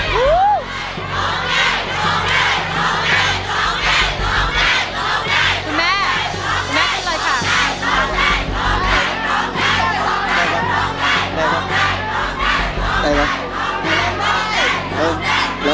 คุณแม่คุณแม่ตื่นเลยค่ะ